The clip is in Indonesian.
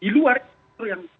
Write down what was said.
di luar itu yang